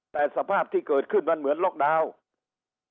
แต่สภาพที่เกิดขึ้นมันเหมือนล็อกดาวน์